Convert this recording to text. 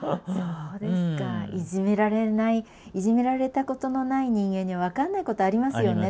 いじめられないいじめられたことのない人間に分かんないことありますよね